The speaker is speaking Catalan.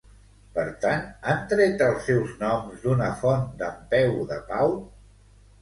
Per tant, han tret els seus noms d'una font d'En Peu de Pau?